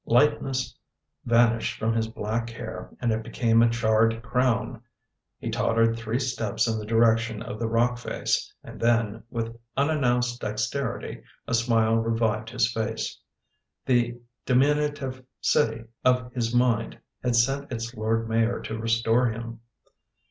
Lightness vanished from his black hair and it became a charred crown. He totte red three steps in the direction of the rock face and then, with unan nounced dexterity, a smile revived his face. The diminu tive city of his mind had sent its lord mayor to restore him.